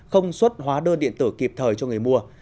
không xuất hóa đơn điện tử kịp thời cho người mua